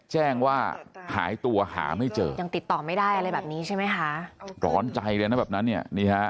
แจ้งว่าหายตัวหาไม่เจอยังติดต่อไม่ได้อะไรแบบนี้ใช่ไหมคะร้อนใจเลยนะแบบนั้นเนี่ยนี่ฮะ